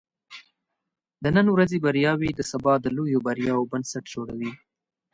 د نن ورځې کوچني بریاوې د سبا د لویو بریاوو بنسټ جوړوي.